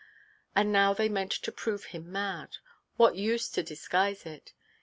And now they meant to prove him mad—what use to disguise it?